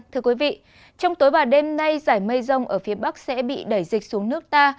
thưa quý vị trong tối và đêm nay giải mây rông ở phía bắc sẽ bị đẩy dịch xuống nước ta